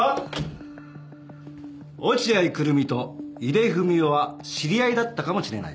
落合久瑠実と井出文雄は知り合いだったかもしれない。